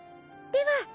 では。